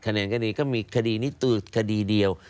คะแนนก็มีคดีนี้ตืดคดีเดียว